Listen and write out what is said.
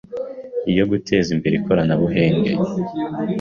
yo guteze imbere Ikorenebuhenge